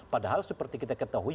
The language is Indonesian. padahal seperti kita ketahui